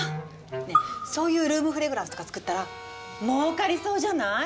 ねえそういうルームフレグランスとか作ったら儲かりそうじゃない？